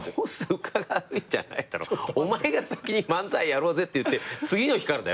お前が先に「漫才やろうぜ」って言って次の日からだよ。